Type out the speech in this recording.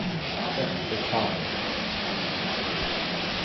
اقتطاع